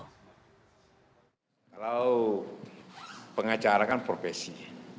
kalau pengacara kan profesi